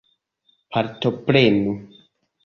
Partoprenu!